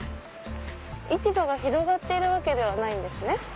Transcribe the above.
市場が広がっているわけではないんですね。